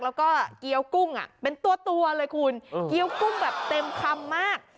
แล้วก็เกี้ยวกุ้งเป็นตัวเลยคุณเกี้ยวกุ้งแบบเต็มคำมาก